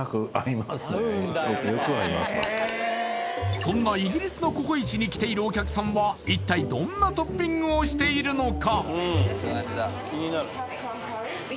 そんなイギリスのココイチに来ているお客さんは一体どんなトッピングをしているのか？